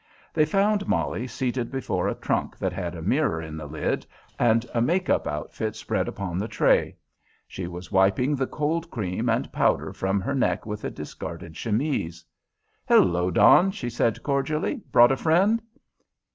They found Molly seated before a trunk that had a mirror in the lid and a "make up" outfit spread upon the tray. She was wiping the cold cream and powder from her neck with a discarded chemise. "Hello, Don," she said cordially. "Brought a friend?"